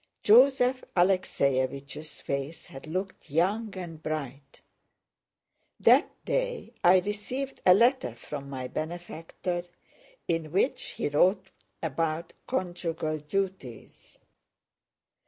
Joseph Alexéevich's face had looked young and bright. That day I received a letter from my benefactor in which he wrote about "conjugal duties."